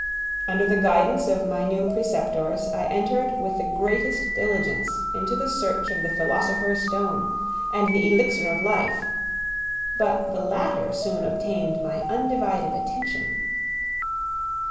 Under the guidance of my new preceptors I entered with the greatest diligence into the search of the philosopher's stone and the elixir of life; but the latter soon obtained my undivided attention.